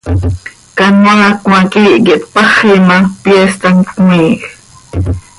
Canoaa cmaa quiih quih tpaxi ma, pyeest hant cömiij.